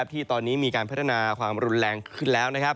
ที่ตอนนี้มีการพัฒนาความรุนแรงขึ้นแล้ว